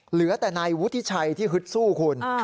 เหลือแต่นายวุฒิชัยที่ฮึดสู้คุณ